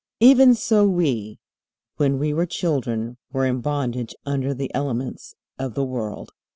Even so we, when we were children, were in bondage under the elements of the world.